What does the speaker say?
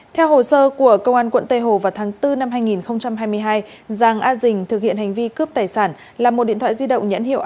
theo hồ sơ của công an quận tây hồ vào tháng bốn năm hai nghìn hai mươi hai giàng a dình thực hiện hành vi cướp tài sản là một điện thoại di động nhãn hiệu